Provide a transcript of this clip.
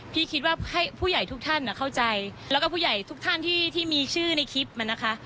คิดว่าให้ผู้ใหญ่ทุกท่านเข้าใจแล้วก็ผู้ใหญ่ทุกท่านที่มีชื่อในคลิปมานะคะ